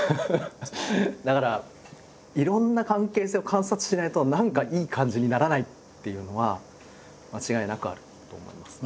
だからいろんな関係性を観察してないと何かいい感じにならないっていうのは間違いなくあると思います。